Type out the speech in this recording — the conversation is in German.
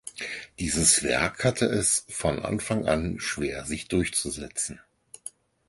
Dieses Werk hatte es von Anfang an schwer sich durchzusetzen.